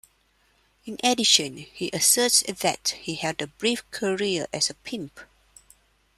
In addition, he asserts that he held a brief career as a pimp.